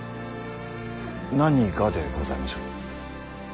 何がでございましょう。